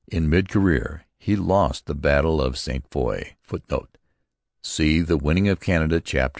In mid career he lost the battle of Ste Foy. [Footnote: See The Winning of Canada, chap.